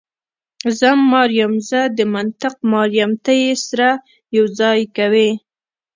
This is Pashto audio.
زه مار یم، زه د منطق مار یم، ته یې سره یو ځای کوې.